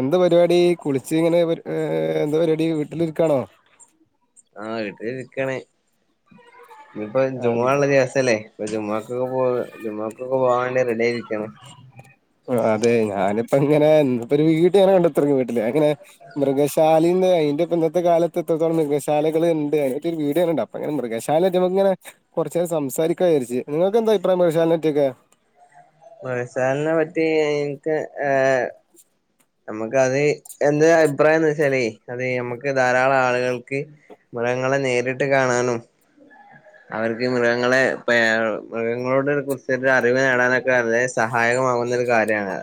എന്ത് പരിപാടി കുളിച്ച് ഇങ്ങനെ എന്താ പരിപാടി വീട്ടിലിരിക്കാണോ ആ വീട്ടിൽ ഇരിക്കാണ് ഇനിപ്പോ ജുമ ആം, ഉള്ള ദിവസല്ലേ ഇപ്പൊ ജുമ്മാക്കൊക്കെ പോകാ ജുമമാക്കൊക്കെ പോവാണ്ടി അതെ ഞാനിപ്പം ഇങ്ങനെ ഇന്നിപ്പോ ഒരു വീട്ടങ്ങനെ കണ്ടെത്തി വീട്ടില് അങ്ങനെ മൃഗശാലീ ഇ ഇന്നത്തെ കാലത്ത് എത്രത്തോളം മൃഗശാലകൾ ഇണ്ട് അങ്ങനത്തെ ഒരു വീഡിയോ കണ്ട് അപ്പോ ഇങ്ങനെ മൃഗശാല കുറച്ച് സംസാരിക്കാ വച്ചു നിങ്ങക്ക് എന്താഭിപ്രായം മൃഗശാലയെ പറ്റിയൊക്കെ മൃഗശാലയെ പറ്റി എനിക്ക് ഏഹ് നമുക്ക് അത് എന്ത് അഭിപ്രായം എന്ന് വെച്ചാലേ അത് ഞമ്മക്ക് ധാരാളം ആളുകൾക്ക് മൃഗങ്ങളെ നേരിട്ട് കാണാനും അവർക്ക് മൃഗങ്ങളെ പ മൃഗങ്ങളോട് കുറിച്ച് അറിവ് നേടാനൊക്കെ വളരെ സഹായകമാകുന്ന ഒരു കാര്യമാണ്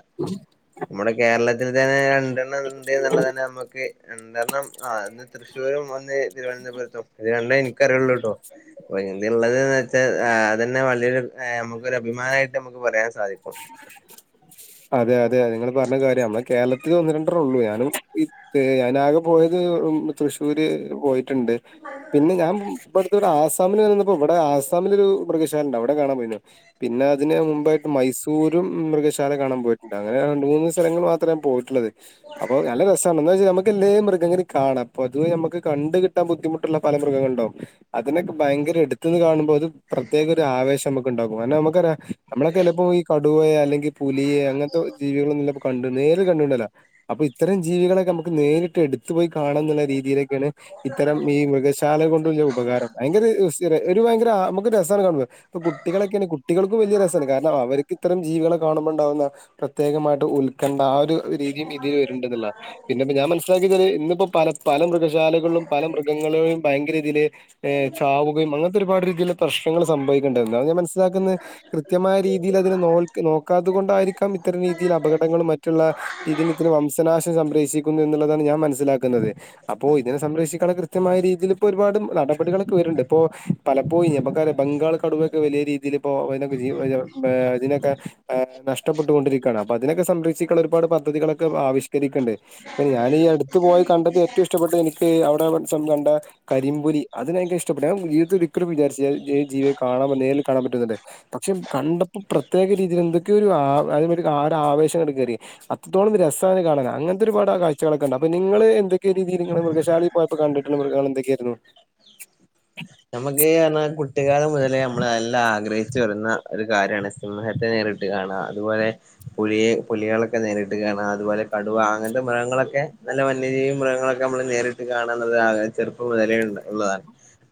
നമ്മുടെ കേരളത്തിൽ തന്നെ രണ്ടെണ്ണം ഇണ്ട് എന്നുള്ളതാണ് നമ്മുക്ക് രണ്ടെണ്ണം ആ ഒന്ന് തൃശശുരും ഒന്ന് തിരുവനന്തപുരത്തും ഇത് രണ്ടുമേ എനിക്കറിയുള്ളു കേട്ടോ അപ്പൊ എന്താ ഉള്ളത് വച്ചാൽ അതന്നെ വലിയൊരു നമുക്കൊരു അഭിമാനമായിട്ട് നമുക്ക് പറയാൻ സാധിക്കും അതെ അതെ നിങ്ങള് പറഞ്ഞ കാര്യമാണ് കേരളത്തില് ഒന്ന് രണ്ടെണ്ണം ഉള്ളൂ ഞാനും ഞാനാകെ പോയത് തൃശ്ശൂരും പോയിട്ടുണ്ട് പിന്നെ ഞാൻ ഇപ്പോഴത്തെ ഒരു ആസാമിൽ വന്നപ്പോ ഇവിടെ ആസാമില് ഒരു മൃഗശാലയുണ്ട് അവിടെ കാണാൻ പോയി പിന്നെ അതിന് മുമ്പായിട്ട് മൈസൂർ മൈസൂരും മൃഗശാല കാണാൻ പോയിട്ടുണ്ട് അങ്ങനെ രണ്ട് മൂന്ന് സ്ഥലങ്ങൾ മാത്രമേ ഞാൻ പോയിട്ടുള്ളത് അപ്പൊ നല്ല രസമാണ് എന്താ വെച്ചാ നമുക്ക് മൃഗങ്ങെ കാണാം അപ്പൊ അത് നമുക്ക് കണ്ട് കിട്ടാൻ ബുദ്ധിമുട്ടുള്ള പല മൃഗങ്ങളുണ്ടാകും അതിനൊക്കെ ഭയങ്കര എടുത്ത് നിന്ന് കാണുമ്പോ അത് പ്രത്യേക ഒരു ആവേശം നമുക്ക് ഉണ്ടാകും അതിന് നമുക്ക് നമ്മളൊക്കെ ചിലപ്പോ ഈ കടുവയെ അല്ലെങ്കിൽ പുലിയെ അങ്ങനത്തെ ജീവിക അപ്പൊ ഇത്തരം ജീവികളൊക്കെ നമുക്ക് നേരിട്ട് എടുത്ത് പോയി ആണെന്നുള്ള രീതിയിലൊക്കാണ് ഇത്തരം ഈ മൃഗശാല കൊണ്ടുള്ള ഉപകാരം ഭയങ്കര സ്ഥിര ഒരു ഭയങ്കര അമ്മക്ക് രസാണ് കാണുമ്പോ. ഇപ്പൊ കുട്ടികളൊക്ക്യാണ് കുട്ടികൾക്കും വല്യ രസാണ് കാരണം അവര് ഇത്തരം ജീവികളെ കാണുമ്പോണ്ടാവുന്ന പ്രത്യേകമായിട്ട് ഉൽക്കണ്ഠ ആ ഒരു രീതി ഇതിൽ വരുന്നുണ്ടെന്ന്ള്ളതാ പിന്നെപ്പോ ഞാൻ മനസ്സിലാക്കിയത് ഇന്നിപ്പോ പല പല മൃഗ ശാലകളിലും പല മൃഗങ്ങളെയും ഭയങ്കര ഇതില് ചാവുകയും അങ്ങനത്തെ ഒരുപാട് രീതിയില് പ്രശ് ങ്ങൾ സംഭവിക്കണ്ട് എന്താ ഞാൻ മനസ്സിലാക്കുന്നെ കൃത്യമായ രീ തിന ഇതിന നോൽക് നോക്കാത്തത് കൊണ്ടായിരിക്കാം ഇത്തര രീതിയിൽ അപകടങ്ങളും മറ്റുള്ള രീതീല് ഇത്തിര വംശനാശ സംരക്ഷിക്കുന്നു എന്നുള്ളതാണ് ഞാൻ മനസ്സിലാക്കുന്നത്. അപ്പോ ഇതിനെ സംരക്ഷിക്കാണ് കൃത്യമായ രീതിയിൽ ഇപ്പോ ഒരുപാട് നട പടികളൊക്കേറുണ്ട് ഇപ്പൊ പലപ്പോഴ്‌ നമ്മക്കറിയ ബംഗാൾ കടുവയൊക്കെ വലിയ രീതിയില ഇപ്പോ [unintelligible] ആഹ് ഇതിനൊക്കെ ആ നഷ്ടപ്പെട്ടൊണ്ടിരിക്കാണ്. അപ്പൊ അതിനൊക്കെ സംരക്ഷിക്കാനൊരുപാട് പദ്ധതികളൊക്കെ ആവിശ് നിക്കണ്ട് ഞാനീ അടുത്ത് പോയി കണ്ടത് ഏറ്റവും ഇഷ്ടപ്പെട്ടത് എനിക്കീ അവ ന്നാലോരീസം കണ്ട കരിമ്പുലി അതിനെനിക്ക് ഇഷ്ടപ്പെട്ട ജീവിതത്തിലൊരി ഒരിക്കലും വിചാരിചില ജെ ജീവിയെ കാണാൻ തന്നെ നേരിൽ കാണാൻ പറ്റൂന്നന്നെ പക്ഷെ കണ്ട പ്രത്യേക രീതിയിൽ എന്തൊക്കെയൊ ഒരു ആ അതേമാരി ആവേശങ്ങട് കേറി അത്രത്തോളം രസാണ് കാണാൻ അങ്ങ അനത്തെ ഒരുപാട് കാഴ്ചകളൊക്കെണ്ട് അപ് നിങ്ങള് എന്തൊക്കെ രീതിയില് നിങ്ങള് മൃഗശാലയിൽ പോയപ്പോ കണ്ടിട്ടുള്ള മൃഗങ്ങൾ എന്തൊക്കെയായിരുന്നു? കീ കുട്ടികാലം മുതലേ നമ്മൾ നല്ല ആഗ്രഹിച്ച് വരുന്ന ഒരു കാര്യണ് സിംഹത്തെ നേരിട്ട് രിട്ട് കാണാ അതുപോലെ പുലിയെ പുലികളൊക്കെ നേരിട്ട് കാണ അതുപോലെ കടുവ അങ്ങനത്തെ മൃഗങ്ങളൊ ലെ നല്ല വന്യജീവി മൃഗങ്ങളൊക്കെ നമ്മള് നേരിട്ട് കാണന്നുള്ളൊരാഗ്രഹം ചെറുപ്പം മുതലേ ഉള്ള ഉള്ളതാണ്.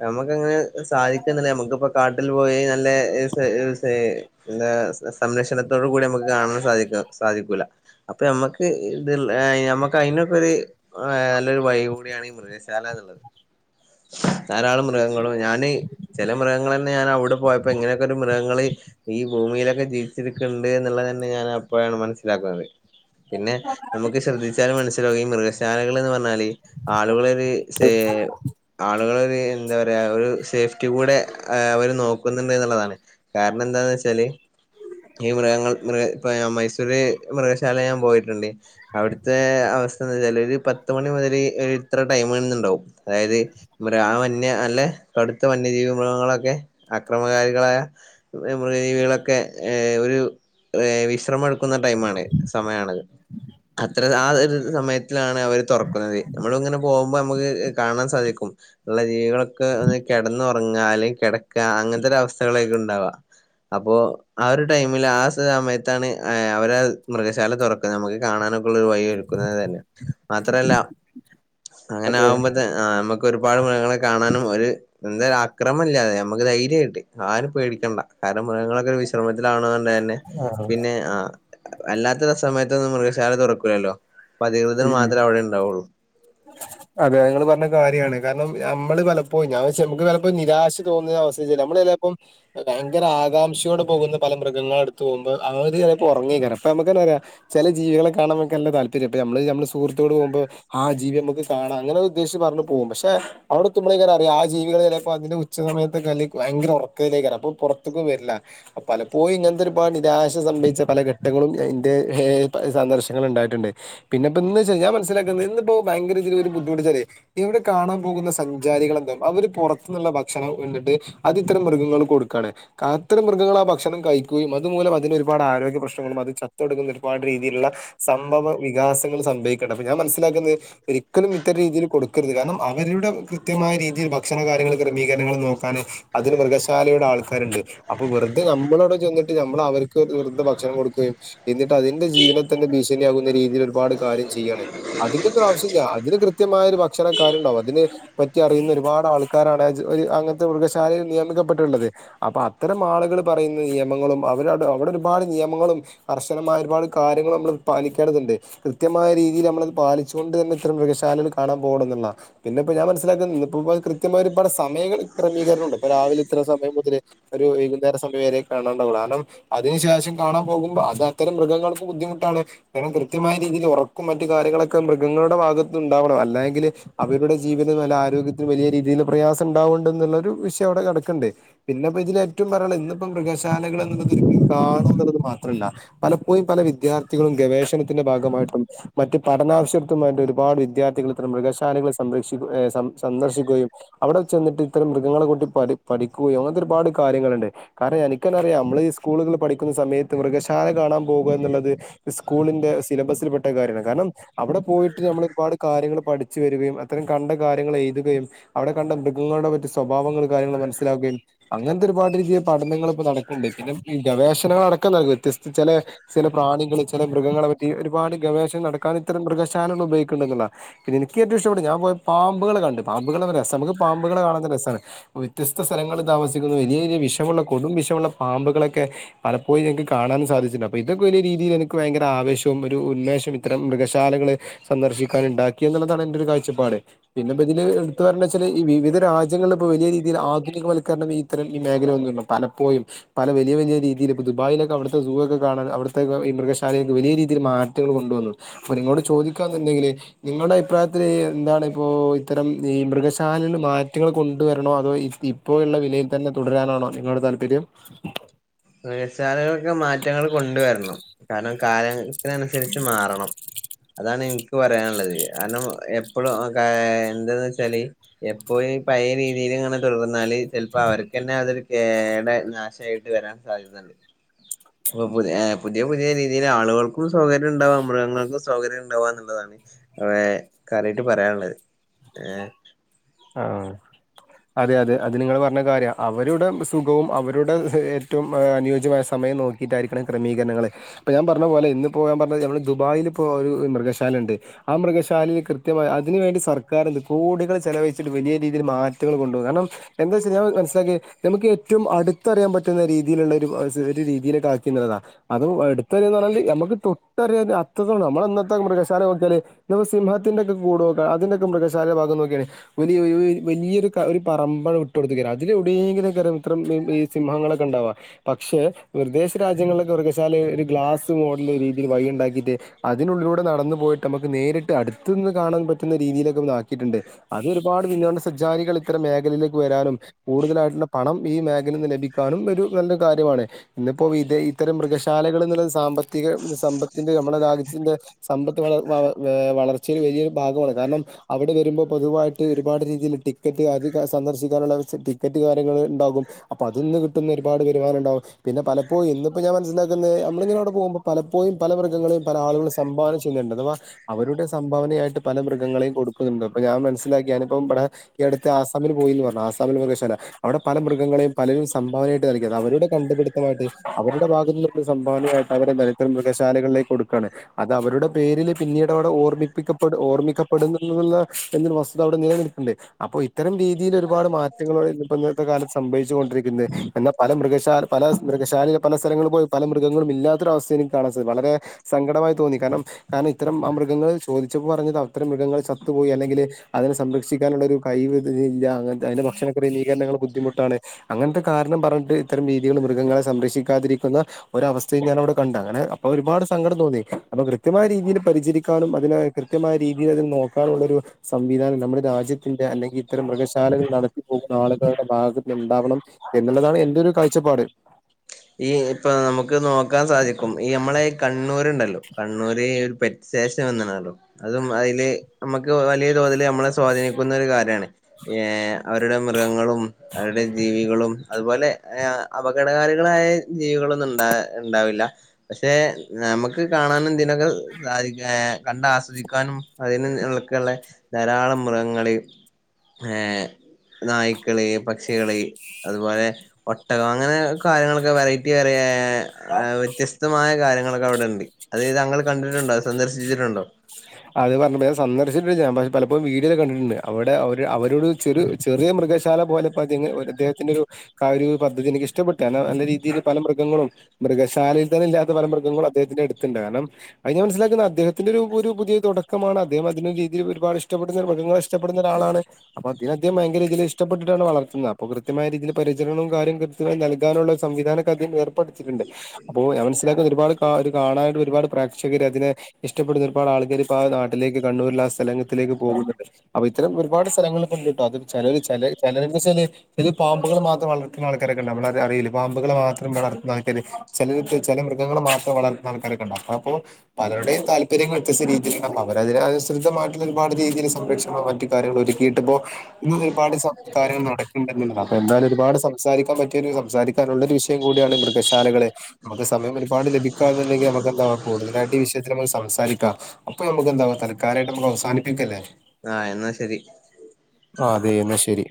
നമുക്ക്ങ്ങനെ സാധിക്കുന്നില്ലേ നമുക്കിപ്പ കാട്ടിൽ പോയി നല്ല എസ് എസ് ഏ പിന്നാ സ സംരക്ഷണത്തോടു കൂടി നമുക്ക് കാണൻ സാധിക്കോ സാധിക്കൂല അപ്പൊ നമ്മക്ക് ഇത് ൾ ഏ നമ്മക്ക് അയിനൊക്കെര് ഏ നല്ലൊരു വഴി കൂടിയാണ് ഈ മൃഗശാല ള്ളത് ധാരാളം മൃഗങ്ങളും ഞാന് ചില മൃഗങ്ങൾ ന്നെ ഞാൻ അവിടെ പോയപ്പോ എങ്ങനെയൊക്കെ ഒരു മൃഗങ്ങള് ഈ ഭൂ ഭൂയിലൊക്കെ ജീവിച്ചിടുരിക്കണ്ട്ന്ന്ള്ളതന്നെ ഞാൻ അപ്പോഴാണ് മനസ്സിലാക്കുന്നത്. പിന്നെ നമുക്ക് ശ്രദ്ധിച്ചാലു മനസ്സിലകു ഈ മൃഗശാലകൾ എന്ന് പറഞ്ഞ ഞാല് ആളുകളൊരു ഛേ ആളുകളൊ എന്താ പറയാ ഒരു സേഫ്റ്റി കൂടെ ഏ അവര് നോക്കുന്നുണ്ട് ന്ന്ള്ളതാണ്. കാരണം എന്താന്ന് വെച്ചാല് ഈ മൃഗങ്ങൾ മൃഗ പ്പ മൈസൂര് മൃഗശാല ഞാൻ പോയിട്ടുണ്ട് അവിടുത്തെ അവസ്ഥ പത്ത് മണി മുതൽ ഇത്ര ടൈമന്നുണ്ടാവും അതായത് ആ വന്യ അല്ല കടുത്ത വന്യജീവി മൃഗങ്ങളൊക്കെ അക്രമകാരികളായ മൃഗ ജീവിക അത്ര ആ ഒരു സമയത്തിലാണ് അവര് തുറക്കുന്നത് നമ്മൾ ഇങ്ങനെ പോകുമ്പോ നമുക്ക് കാണാൻ സാധിക്കും ഉള്ള ജീവികളൊക്കെ കിടന്നുറങ്ങ അല്ലെങ്കിൽ കിടക്ക അങ്ങനത്തെ ഒരു അവസ്ഥകളൊക്കെ ഉണ്ടാവുക അപ്പോ ആ ഒരു ടൈമില് ആ സമയത്താണ് അവര് മൃഗശാല തുറക്കുന്നത് നമുക്ക് കാണാ വഴി കിടക്കുന്നത് തന്നെ മാത്രല്ല അങ്ങനെ അതെ ആകുമ്പോതേന് നമുക്ക് ഒരുപാട് മൃഗങ്ങളെ കാണാനും ഒരു എന്തും അക്രമല്ല അതെ നമുക്ക് ധൈര്യമായിട്ട് ആരും പേടിക്കണ്ട കാരണം മൃഗങ്ങളൊക്കെ ഒരു വിശ്രമത്തിലാണതൊണ്ട് തന്നെ ആഹ് പിന്നെ ആ അല്ലാത്ത സമയത്ത് ഒന്നും മൃഗശാല തുറക്കൂല്ലല്ലോ അപ്പൊ അധികൃതർ ഉം മാത്രമേ അവിടെ ഉണ്ടാവുള്ളൂ അതെ ഇങ്ങള് പറഞ്ഞെ കാരണം നമ്മള് പലപ്പോ ഞാൻമുക്ക് പലപ്പോ നിരാശ തോന്നുന്ന അവസ്ഥ നമ്മ ചെലേപ്പം ഭയങ്കര ആകാംക്ഷയോടെ പോകുന്ന പല മൃഗങ്ങളടുത്ത് പോകുമ്പോ അവര് ചെലപ്പോ ഉറങ്ങേക്കാരം അപ്പോ നമ നമകന്നറിയ ചില ജീവികളെ കാണാ നമുക്കല്ല താല്പര്യണ്ട് നമ്മള് നമ്മള് സുഹൃത്തുക്കള് പോകുമ്പോ ആ ജീവി നമുക്ക് കാണാം അങ്ങനെ ഉദ്ദേശച്ച് പറഞ്ഞു പോവും പക്ഷെ അവിടെത്തുമളെങ്ങനെ അറിയ ആ ജീവികൾ ചിലപ്പോ അതിന്റെ ഉച്ച സമ സമയതേക്കാല് ഭയങ്കര ഉറക്ക്തന്നേക്കാരും. അപ്പൊ പുറത്ത്ക്കും വരില്ല, അപ് പലപ്പോഴും ഇങ്ങനത്തെ ഒരുപാട് രാശസംഭി ച്ച പല ഘട്ടങ്ങളും എന്റെ ഏ സന്ദർശങ്ങൾ ഉണ്ടായിട്ടുണ്ട്. പിന്നെപ്പന്ന് ച്ചാ ഞാൻ മനസ്സിലാക്കുന്നത് ഇപ്പോ ഭയങ്കര ഇതിലൊരു ബുദ്ധിമുട്ട് ചാലെ ഇവിടെ കാണാൻ പോകുന്ന സഞ്ചാരികളന്താ അവര് പുറത്തുന്നുള്ള ഭക്ഷണം ന്ന്ട്ട് അത് ഇത്തരം മൃഗങ്ങൾക്ക് കൊടുക്കാണ് അത്തരം മൃഗങ്ങള് ആ ഭക്ഷണം കഴിക്കുകയും അത്‌ മൂലം അതിനൊരുപാട് ആരോ പ്രശ്നങ്ങളും അത് ചത്തൊടുക്കുന്ന ഒരുപാട് രീതിയിലുള്ള സംഭവ വികാസങ്ങൾ സംഭവിക്കണ്ട്. അപ്പൊ ഞാൻ മനസ്സിലാക്കുന്നത് ഒരിക്കലും ഇത്തരം രീതിയിൽ കൊടുക്കരുത് കാരണം അവരുടെ കൃത്യമായ രീതിയിൽ ഭക്ഷണ കാര്യങ്ങൾ ക്രമീകരങ്ങളും നോക്ക അതിന് മൃഗശാലയുടെ ആൾക്കാരുണ്ട് അപ്പൊ വെറുതെ നമ്മളോവിടെ ചെന്നിട്ട് നമ്മൾ അവർക്ക് ഭക്ഷ ണം കൊടുക്കുകയും എന്നിട്ട് അതിന്റെ ജീവനെ തന്നെ ഭീഷണിയാകുന്ന രീതിയിൽ ഒരുപാട് കാര്യംചെയ്യാണ് അതിന് ആവശ്യമില്ല അതിന് കൃത്യമായ ഒരു ഭക്ഷണക്കാരു ഉണ്ടാവും അതിനെ പറ്റി അറിയുന്ന ഒരുപാട് ആൾക്കാരാണ് അങ്ങനത്തെ മൃഗശാലയിൽ നിയമിക്കപ്പെട്ടിട്ടുള്ളത് അപ്പൊ അത്തരം ആളുകൾ പറയുന്ന നിയമങ്ങളും അവടെ ഒരുപാട് നിയമങ്ങളും കർശനമായ ഒരുപാട് കാര്യങ്ങളും നമ്മൾ പാലിക്കേണ്ടതുണ്ട് കൃത്യമായ രീതിയിൽ നമ്മളത് പാലിച്ചു അതുകൊണ്ട് തന്നെ ഇത്രം മൃഗശാലകൾ കാണാൻ പോകണം എന്നുള്ളാണ് പിന്നെപ്പോ ഞാൻ മനസിലാക്കുന്നത് കൃത്യമായ ഒരുപാട് സമയങ്ങള് ക്രമീകരണം ഉണ്ട് ഇപ്പൊ രാവിലെ ഇത്ര സമയം മുതൽ ഒരു വൈകുന്നേര സമയം വരെ കാണാണ്ടാവുള്ളൂ കാരണം അതിന് ശേഷം കാണാൻ പോകുമ്പോ അത് അത്തരം മൃഗങ്ങൾക്ക് ബുദ്ധിമുട്ടാണ് കാരണം കൃത്യ മായ രീതിയിൽ ഉറക്കും മറ്റു കാര്യങ്ങളും കാര്യങ്ങളും മൃഗങ്ങളുടെ ഭാഗത്തുണ്ടാവണം അല്ലെങ്കിൽ അവരുടെ ജീവിതം നല്ല ആരോഗ്യത്തിന് വലിയ രീതിയില് പ്രയാസം ഉണ്ടാവും ഉണ്ടെന്നുള്ളരു വിഷയം അവിടെ കിടക്ക്ണ്ട് പിന്നെപ്പൊ ഇതി ഏറ്റവും പറയണ ഇന്നിപ്പോ മൃഗശാലകൾ എന്നുള്ളത് മാത്രല്ല പലപ്പോഴും പല വിദ്യാർത്ഥികളും ഗവേഷണത്തിന്റെ ഭാഗമായിട്ടും മറ്റ് പഠന ക്ഷത്വമായിട്ട് ഒരുപാട് വിദ്യാർത്ഥികൾ ഇത്തരം മൃഗശാലകൾ സംരക്ഷിക്കുകയും സന്ദർശിക്കുകയും അവിടെ ചെന്നിട്ട് ഇത്തരം മൃഗങ്ങളെ കൂട്ടി പഠിക്കുകയും അങ്ങനത്തെ ഒരുപാട് കാര്യങ്ങളുണ്ട് കാരണം എനിക്കല്ലാറിയാം നമ്മൾ ഈ സ്കൂളുകിൽ പഠിക്കു ന്ന സമയത്ത് മൃഗശാല കാണാൻ പോകുക എന്നുള്ളത് സ്കൂളിന്റെ സിലബസിൽ പെട്ട കാര്യമാണ് കാരണം അവിടെ പോയിട്ട് ഞമ്മൾ ഒരുപാട് കാര്യങ്ങൾ പഠിച്ചു വരികയും അത്തരം കണ്ട കാര്യങ്ങൾ എഴുതുകയും അവിടെ കണ്ട മൃഗങ്ങൾ മറ്റ് സ്വഭാവങ്ങൾ കാര്യങ്ങൾ മനസിലാക്കുകയും അങ്ങനത്തെ ഒരുപാട് രീതിയിൽ പഠനങ്ങൾ ഇപ്പൊ നടക്കുന്നുണ്ട് പിന്നെ ങ്ങൾടക്കം വ്യത്യസ്ത ചില ചില പ്രാണികൾ ചില മൃഗങ്ങളെ പറ്റി ഒരുപാട് ഗവേഷണം നടക്കാ മൃഗശാലകൾ ഉപയോഗിക്കുന്നുള്ളതാണ് എനിക്ക് ഏറ്റവും ഇഷ്ട്ടപ്പെട്ട പാമ്പുകളെ കണ്ട് പാമ്പു കാണാൻ രസാണ് വ്യത്യസ്ത സ്ഥലങ്ങളിൽ താമസിക്കുന്ന വലിയ വലിയ വിഷമുള്ള കൊടും വിഷമുള്ള പാമ്പുകളൊക്കെ പലപ്പോഴും എനിക്ക് കാണാൻ സാധിച്ചിട്ടുണ്ട് അപ്പോ ഇതൊക്കെ വലിയ രീതിയിൽ എനിക്ക് ഭയങ്കര ആവേശവും ഒരു ഉന്മേ ശവും ഇത്തരം മൃഗശാ ശാലകള് സന്ദർശിക്കാൻ ഉണ്ടാക്കി എന്നുള്ളതാണ് എന്റെ ഒരു കാഴ്ചപ്പാട് പിന്നെപ്പ ഇതില് എടുത്ത് പറഞ്ഞച്ചാല് ഈ രാജ്യങ്ങളിലിപ്പോ വലിയ രീതിയിൽ ആധുനികവൽക്കരണം ഇത്തരം ഈ മേഖലയൊന്നുമില്ല പലപ്പോഴും പല വലിയ വലിയ രീതി രീതി ദുബായിലൊക്കെവിടുത്തെ സൂ ഒക്കെ കാണാൻ അവിടുത്തെ മൃഗശാലയിലക്ക് വല രീതിയിൽ മാറ്റങ്ങൾ കൊണ്ടുവന്നു അപ്പൊ നിങ്ങളോട് ചോദിക്കാന്നുണ്ടെങ്കിൽ നിങ്ങളുടെ അഭിപ്രായത്തില് എന്താണ് ഇപ്പോ ഇത്തരം ഈ മൃഗശാലനം മാറ്റങ്ങൾ കൊണ്ടുവരണോ അതോ ഇപ്പോ ഉള്ള വിലയിൽ തന്നെ തുടരാനാണോ നിങ്ങളുടെ താല്പര്യം മൃഗശാലകൾക്ക് മാറ്റങ്ങൾ കൊണ്ടുവരണം കാരണം കാലം അതിനനുസരിച്ച് മാറണം അതാണ് എനിക്ക് പറയാനുള്ളത് കാരണം എപ്പോഴും എന്താെന്ന് വെച്ചാല് എപ്പോ പയ രീതിയിൽ ഇങ്ങനെ തുടർന്നാല് ചിലപ്പോ അവർക്ക് തന്നെ അതൊരു കേട നാശമായി വരാൻ സാധ്യത ഉണ്ട് അപ്പൊ പുതി പുതിയ പുതിയ രീതിയിൽ ആളുകൾക്കും സൗകര്യം ഉണ്ടാവുക മൃഗങ്ങൾക്കും സൗകര്യം ഉണ്ടാവുക എന്നുള്ളതാണ് അവിടെ കാര്യായിട്ട് പറയാനുള്ളത് ഏ ആ അതെ അതെ അത് നിങ്ങള് പറഞ്ഞ കാര്യാ അവരുടെ സുഖവും അവരുടെ ഏറ്റവും അനുയോജ്യമായ നോക്കിയിട്ടായിരിക്കണം ക്രമീകരണങ്ങള്അ പ്പൊ ഞാൻ പറഞ്ഞ പോലെ ഇന്ന് പോ ഞാൻ നമ്മള് ദുബായിൽ പ്പോ ഒരു മൃഗശാല ഉണ്ട് ആ മൃഗശാലയിൽ കൃത്യമായി അതിന് വേണ്ടി സർക്കാർ കോടികൾ ചെലവഴി വലിയ രീതിയിൽ മാറ്റങ്ങൾ കൊണ്ട്കാരണം എന്താ വച്ചാ ഞാൻ മനസിലാക്കിയെ നമുക്ക് ഏറ്റവും അടുത്തറിയൻ പറ്റുന്ന രീ രീതിയിലുള്ള ഒരുരീതിയി ലേക്കാക്കി എന്നുള്ളതാ അതുംഅടുത്തുള്ളത് ന്ന് പറഞ്ഞാൽ നമുക്ക് തൊട്ട അ നമ്മള ഇന്നത്തെ മൃഗശാല നോക്കിയാല് ന സിംഹത്തിന്റെ ഒക്കെ കൂട് നോക്ക് അതിന് ന്റെക്കെ മൃഗശാല യുടെഭാഗം നോക്കിയാണ് വലിയ വലിയൊരു ഒരു പറമ്പാണ് വിട്ടു കൊടുത്തക്ക ണത് അതില് എടെയെങ്കിലും ഒക്കെ ഇത്രം ഈ സിംഹങ്ങളൊക്കെണ്ടാ പക്ഷെ വിദേശ രാജ്യങ്ങളിലൊക്കെ മൃഗശാല ഒരു ഗ്ലാസ് മോഡൽ രീതിയിൽ വൈ ഉണ്ടാക്കിട്ട് അതിനുള്ളിലൂടെ നടന്നു പോയിട്ട് നമുക്ക് നേരിട്ട് അടുത്ത് നിന്ന് കാണാൻ പറ്റുന്ന രീതിയിലൊക്കെ ആക്കിയിട്ടുണ്ട് അതൊരു ഒരുപാട് വിനോദ സഞ്ചാരികൾ ഇത്തരം മേഖലയിലേക്ക് വരാനും കൂടുതലായിട്ടുള്ള പണം ഈ മേഖലയിൽ നിന്ന് ലഭിക്കാനും ഒരു നല്ലൊരു കാര്യമാണ് ഇന്നിപ്പോ ഇ ഇത്തരം മൃഗശാലകളിൽന്നുള്ള സാമ്പത്തിക സമ്പത്തിന്റെ നമ്മുടെ ന്റെ സമ്പത്ത് വള വളർച്ചയില് വലിയൊരു ഭാഗമാണ് കാരണം അവിടെ വരുമ്പോ പൊതുവായി ട്ട്ഒരുപാട് രീതിയിൽ ടിക്കറ്റ് അത് സന്ദർശിക്കാനുള്ള ടിക്കറ്റ് കാര്യങ്ങള്ഉണ്ടാകും അപ്പൊ അതിന്ന്കിട്ടുന്ന ഒരുപാട് വരുവാനുണ്ടാവും പിന്നെ പലപ്പോഴും ഇന്നിപ്പോ ഞാൻ മനസ്സിലാക്കുന്നത് നമ്മളിങ്ങനവിടെ പോകുമ്പോ പലപ്പോഴും പല മൃഗങ്ങളും ആളുകൾ സംഭാവന ചെയ്യുന്നുണ്ട് അ തവഅവരുടെ സംഭാവനയായിട്ട് പല മൃഗങ്ങളെയും കൊടുക്കുന്നുണ്ട് അപ്പ ഞാൻ മന ഞനിപ്പം ബടെ ഈ അടുത്ത് ആസാമിൽ പോയിന്ന് പറഞ്ഞു, ആസാമിൽ മൃഗശാല അവിടെ പല മൃഗങ്ങളേയും പലരും സംഭാവ ായി് അവരുടെ കണ്ടുപിടുത്തമായിട്ട് അവരുടെ ഭാഗത്ത് നിന്നുള്ള സംഭാവന ആയിട്ട് അവരേ തരട്ടെ മൃഗശാലകളിലേക്ക് കൊടുക്ക അത് അവരുടെ പേരിൽ പിന്നീട് അവിടെ ഓർമിപ്പിക്കപ്പെടു ഓർമ്മിക്കപ്പെടുന്നുള്ള ഒരു വസ്തു ഇതവിടെ നിലനിൽപ്പുണ്ട് അപ്പൊ ഇത്തരം രീതിയില് ഒരുപാട് മാറ്റങ്ങള്ഇപ്പോ ഇന്നത്തെ കാലത്ത് സംഭവിച്ചു കൊണ്ടിരിക്കുന്നത് എന്നാ പല മൃഗശാല പല മൃഗശാല പല സ്ഥലങ്ങളിലും പോയി പല മൃഗങ്ങളും ഇല്ലാത്തൊര വസ്ഥയാണ് എനിക്ക് കാണാൻ സാധിച്ചത് വളരേ സങ്കടമായി തോന്നി കാരണം കാരണം ഇത്തരം ആ മൃഗങ്ങൾ ചോദിച്ചപ്പോ പറഞ്ഞത് അത്തരം മൃഗങ്ങൾ ചത്തുപോയി അല്ലെങ്കില് അതിനെ സംരക്ഷിക്കാനുള്ള ഒരു കൈവ് ഇതിനില്ല്യാ അങ്ങൻതെ അതിന്റെ ഭക്ഷണ ക്രമീകരണങ്ങൾ ബുദ്ധിമുട്ടാണ് അങ്ങനത്തെ കാരണം ണം പറഞ്ഞിട്ട് ഇത്തരം രീതികള് മൃഗങ്ങളെ സംരക്ഷിക്കാതിരിക്കുന്ന ഒരു അവസ്ഥയും ഞാൻഅവടെ കണ്ട അങ്ങനെ അപ്പൊ ഒരുപാട് സങ്കടം തോന്നി അപ്പൊ കൃത്യമായ രീതിയില് പരിചരിക്കാനും അതിനെ കൃത്യമായ രീതിയില് അത് നോക്കാനുള്ളൊരു സംവിധാനം നമ്മുടെ രാജ്യത്തിന്റെ അല്ലെങ്കിൽ ഇത്തരം മൃഗശാലകൾ നടത്തി പോകുന്ന ആളുകളുടെ ഭാഗത്ത് ഇണ്ടാവണം എന്നുള്ളതാണ് എൻന്റെ ഒരു കാഴ്ചപ്പാട് ഈ ഇപ്പൊ നമുക്ക് നോക്കാൻ സാധിക്കും. ഈ നമ്മളെഈ കണ്ണൂരുണ്ടല്ലോ കണ്ണൂര് പെറ്റ് സ്റ്റേഷൻ വന്ന്ണല്ലോ. അതും അതില് നമുക്ക് വലിയ തോതിൽ ഇത് നമ്മളെ സ്വാധീനിക്കുന്ന ഒരു കാര്യമാണ് യെ.... അവരുടെ മൃഗങ്ങളും അവരുടെ ജീവികളും അതുപോലെ ഏ അപകടകാരി ഇവടെ ജീവികളൊന്നും ഉണ്ടാ ഉണ്ടാവില്ല. പക്ഷെ നമുക്ക് കാണാനും എന്തിനൊക്കെ അ യെ കണ്ട ആസ്വദിക്കാനും അതിനന്ക്കെയള്ള ധാരാളം മൃഗങ്ങളിൽ ഏ നായ്ക്കളേയും പക്ഷികളേം അതുപോലെ ഒട്ടകം അങ്ങനെ കാര്യങ്ങളൊക്കെ വെറൈറ്റി വേ വ്യത്യസ്തമായ കാര്യങ്ങളൊക്കെ അവിടെ ഉണ്ട്. അതായത് താങ്കൾ കണ്ടിട്ടുണ്ടോ സന്ദർശിച്ചിട്ടുണ്ടോ? [unintelligible] അത് പറഞ്ഞപ്പ ഞാൻ സന്ദർശിചിട്ടില്ല. ഞാ പലപ്പോഴും വിഡിയോയിൽ കണ്ടിട്ടുണ്ട്. അവിടെ അവര് അവരോട് ചെറിയ ചെറിയ മൃഗശാ അത് പോലെ അദ്ദേത്തിന്റെ ഒരുകാര്യം പദ്ധതി എനിക്ക് ഇഷ്ടപ്പെട്ട നല്ല രീതിൽ പല മൃഗങ്ങളും മൃഗശാലയിൽ തന്നെ ഇാ പല മൃഗങ്ങളും അദ്ദേഹത്തിന്റെ അടുത്തുണ്ട് കാരണം അതിന് മനസിലാക്കുന്ന അദ്ദേത്തിന്റെ ഒരു ഒരു പുതിയ തുടക്കമാണ് അദ്ദേഹം അതിനന്റെ രീതിയി ഒരുപാട് ഇഷ്ടപ്പെടുന്ന മൃഗങ്ങൾ ഇഷ്ടപ്പെട ഒരാളാണ് അപ്പ അദ്ദേഹം ഭയങ്കര ഇഷ്ടപ്പെട്ടിട്ടാണ് വളർത്തുന്നത് അപ്പോ കൃത്യമായ രീതിയിൽ പരിചരണവും കാര്യവും കൃത്യമായി നൽകാനുള്ള സംവിധാന ഒക്കെ ഏർപ്പെടുത്തി ണ്ട് അപ്പോൊ മനസ്സിലാക്കുന്ന ഒരുപാട് ഒരു കാണാനായിട്ട് ഒരുപാട് പ്രേക്ഷകര് അതിനെ ഇഷ്ടപ്പെടുന്ന ഒരുപാട് ആൾക്കാരി ആ നാട്ടിലേക്ക് കണ്ണൂരിൽ ആ സ്ഥലത്തിലേക്ക് പോകുന്നുണ്ട് അപ്പൊ ഇത്തരം ഒരുപാട് സ്ഥലങ്ങളൾ ഇ കേട്ടോ അത് ചില ചില ചില ചില പാമ്പുകൾ മാത്രം വളർത്തുന്ന ആൾക്കാരൊക്കെണ്ടമ്മള അറിയില്ല പാമ്പുകൾ മാത്രം വളർ ആക്കാർ ചില ചില മൃഗങ്ങൾ മാത്രം വളർുന്ന ആൾക്കാരൊക്കെ ഉണ്ട് അപ്പ അപ്പോ പലരുടെയും താല്പര്യങ്ങൾ വ്യത്യസ്ത രീതിയില അവരതിനെ അനുസൃതമായി ട്ടുള്ള ഒരുപാട് രീതിയിൽ സംരക്ഷണോ മറ്റുകാര്യങ്ങളോ ഒരുക്കിയിട്ടപ്പോ ഹും ഒരുപാട് സ്വ കാര്യങ്ങൾ നടക്ക്ണ്ട്ന്ന്ളളതാ അപ്പൊ എന്തായാലും ഒരുപാട് സംസാരിക്കാൻ പറ്റിയ സംസാരിക്കാനുള്ള ഒരു വിഷയം കൂടിയാണ് മൃഗശാലകൾ നമുക്ക് സമയം ഒരുപാട് ലഭിക്കുകുണ്ടെങ്ക നമുക്ക് എന്താവാ കൂടുതലായിട്ട്ഈ വിഷയത്തിൽ നക്ക് സംസാരിക്കാം അപ്പൊ നമുക്ക് എന്താവാ തല്കാലായിട്ട് നമ്മക്ക് അവസാനിപ്പിക്കല്ലേ? ആ എന്നാ ശരി ആ അതേ എന്നാ ശരി